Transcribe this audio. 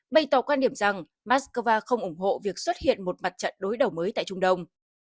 bày tỏ quan điểm rằng moscow không ủng hộ việc xuất hiện một mặt trận đối đầu mới tại trung đông